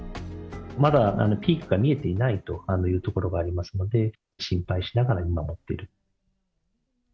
まだピークが見えていないというところがありますので、心配しながら見守っている。